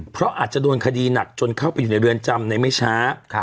เพราะอาจจะโดนคดีหนักจนเข้าไปอยู่ในเรือนจำในไม่ช้า